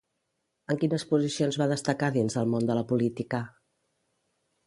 En quines posicions va destacar dins el món de la política?